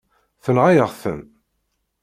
Tenɣa-yaɣ-ten.